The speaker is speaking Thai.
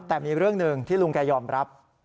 แต่มีเรื่องหนึ่งที่ลุงแกยอมรับ